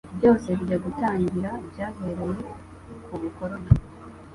Byose bijya gutangira byahereye ku bukoroni